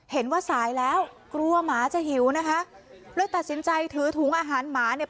เห็นว่าสายแล้วกลัวหมาจะหิวนะคะเลยตัดสินใจถือถุงอาหารหมาเนี่ย